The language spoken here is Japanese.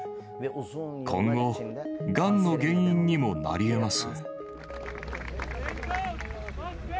今後、がんの原因にもなりえます。